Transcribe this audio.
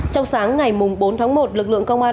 trong sáng ngày bốn tháng một lực lượng công an